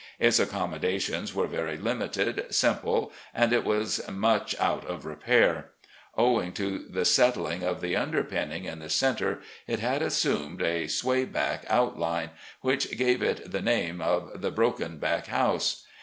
Its accom modations were very limited, simple, and it was much out of repair. Owing to the settling of the underpinning in the centre, it had assumed a "sway backed" outline, which gave it the name of the " broken back house."